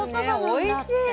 おいしい。